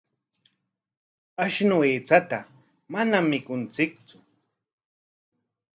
Ashnu aychataqa manam mikunchiktsu.